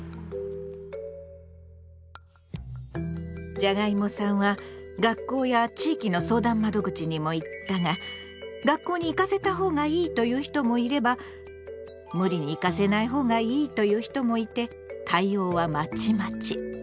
じゃがいもさんは学校や地域の相談窓口にも行ったが「学校に行かせたほうがいい」と言う人もいれば「ムリに行かせないほうがいい」と言う人もいて対応はまちまち。